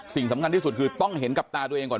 สิ่งสำคัญที่สุดคือต้องเห็นกับตาตัวเองก่อน